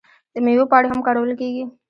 د میوو پاڼې هم کارول کیږي.